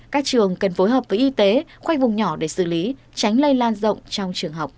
các trường cần phối hợp với y tế khoanh vùng nhỏ để xử lý tránh lây lan rộng trong trường học